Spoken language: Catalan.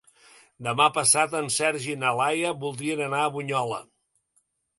Demà passat en Sergi i na Laia voldrien anar a Bunyola.